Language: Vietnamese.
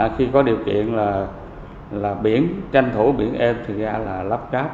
khi có điều kiện là biển tranh thủ biển êm thực ra là lắp cáp